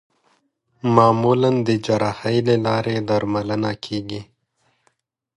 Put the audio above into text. معمولا د جراحۍ له لارې درملنه کېږي.